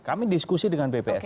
kami diskusi dengan bps